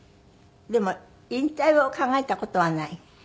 でも引退を考えた事はない？